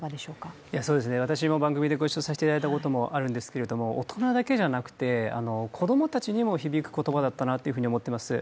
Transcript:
私も番組でご一緒させていただいたことがあるんですけど大人だけじゃなくて子供たちにも響く言葉だったなと思います。